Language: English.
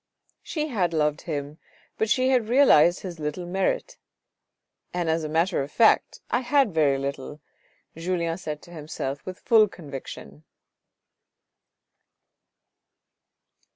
She had loved him, but she had realised his little merit, " and as a matter of fact I had very little," Julien said to himself with full con viction.